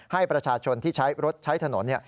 ให้ประชาชนที่ใช้รถใช้ถนน